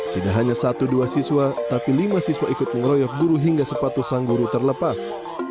tidak hanya satu dua siswa tapi lima siswa ikut mengeroyok guru hingga sepatu sang guru terlepas